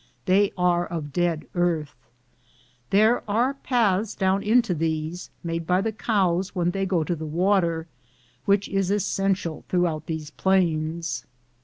They are of dead earth. There are paths down into these, made by the cows when they go to the water, which is essential throughout these plains.